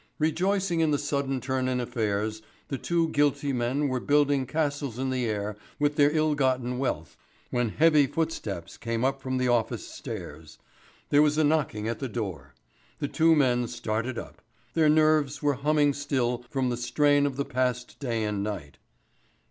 Rejoicing in the sudden turn in affairs, the two guilty men were building castles in the air with their ill gotten wealth, when heavy footsteps came up from the office stairs; there was a knocking at the door. The two men started up. Their nerves were humming still from the strain of the past day and night.